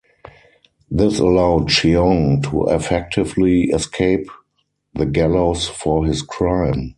This allowed Cheong to effectively escape the gallows for his crime.